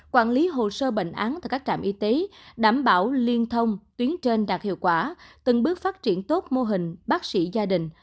quản lý hồ sơ bệnh án tại các trạm y tế đảm bảo liên thông tuyến trên đạt hiệu quả từng bước phát triển tốt mô hình bác sĩ gia đình